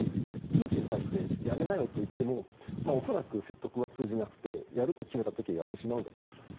プーチンに対してやめなよといっても恐らく説得は通じなくてやると決めた時はやってしまうと思うんですね。